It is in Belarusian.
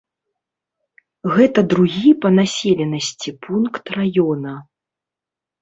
Гэта другі па населенасці пункт раёна.